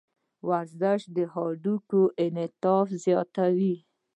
ورزش د هډوکو انعطاف زیاتوي.